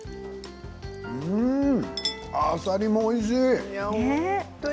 あさりも、おいしい。